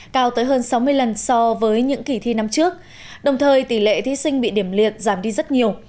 cao tới hơn sáu mươi lần so với những kỳ thi năm trước đồng thời tỷ lệ thí sinh bị điểm liệt giảm đi rất nhiều